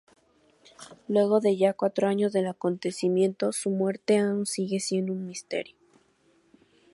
Luego de ya cuatro años del acontecimiento, su muerte aún sigue siendo un misterio.